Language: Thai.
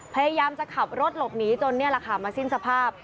พยายามจะขับรถหลบหนีจนนี่แหละค่ะมาสิ้นสภาพ